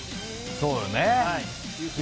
そうやね。